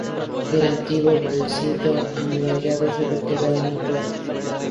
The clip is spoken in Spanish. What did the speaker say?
Del antiguo recinto amurallado sólo queda una puerta.